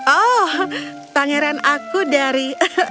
oh pangeran aku dari